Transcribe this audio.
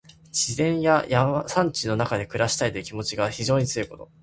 自然や山水の中で暮らしたいという気持ちが非常に強いこと。